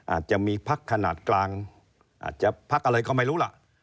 อาจจะมีพักขนาดกลางอาจจะพักอะไรก็ไม่รู้ล่ะ